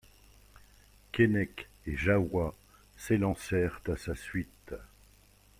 Keinec et Jahoua s'élancèrent à sa suite.